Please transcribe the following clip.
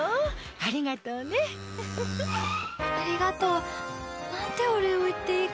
ありがとうね。ありがとう。なんてお礼を言っていいか。